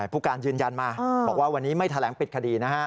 ผู้การยืนยันมาบอกว่าวันนี้ไม่แถลงปิดคดีนะฮะ